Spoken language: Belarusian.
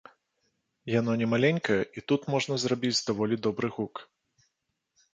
Яно немаленькае і тут можна зрабіць даволі добры гук.